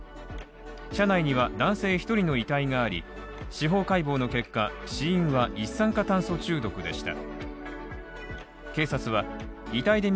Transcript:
車内には男性１人の遺体があり、司法解剖の結果、死因は一酸化炭素中毒でした。